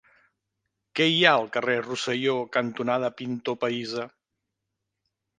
Què hi ha al carrer Rosselló cantonada Pintor Pahissa?